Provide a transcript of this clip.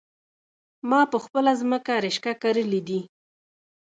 ما په خپله ځمکه رشکه کرلي دي